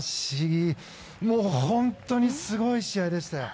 本当にすごい試合でした。